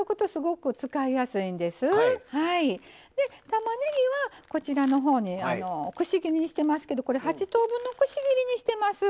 たまねぎはこちらのほうにくし切りにしてますけどこれ８等分のくし切りにしてます。